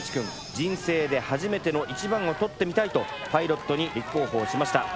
人生で初めての１番を獲ってみたいとパイロットに立候補をしました。